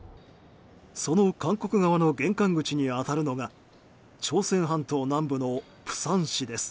その韓国側の玄関口に当たるのが朝鮮半島の南部の釜山市です。